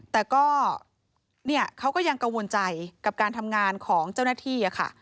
แต่ก็เขาก็ยังกังวลใจกับการทำงานของเจ้าหน้าที่ค่ะ